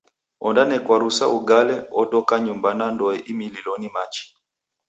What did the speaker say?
Ondanekwa rusa ugale, odoka nyumba na ndoe imililo ni machi.